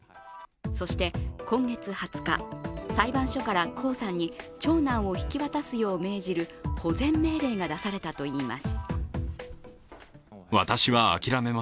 そして今月２０日、裁判所から江さんに長男を引き渡すよう命じる保全命令が出されたといいます。